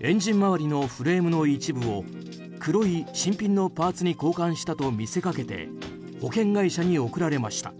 エンジン回りのフレームの一部を黒い新品のパーツに交換したと見せかけて保険会社に送られました。